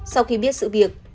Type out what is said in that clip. sau khi biết sự việc